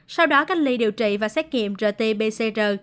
sau đó cách ly điều trị và xét nghiệm rt pcr